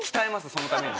そのために。